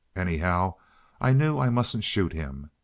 Anyhow, I knew I mustn't shoot him.